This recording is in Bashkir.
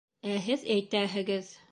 Ә һеҙ әйтәһегеҙ!